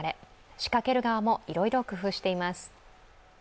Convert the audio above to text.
仕掛ける側もいろいろ工夫しています。